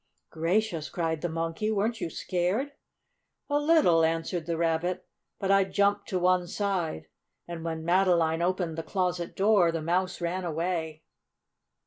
"Gracious!" cried the Monkey. "Weren't you scared?" "A little," answered the Rabbit. "But I jumped to one side, and when Madeline opened the closet door the mouse ran away."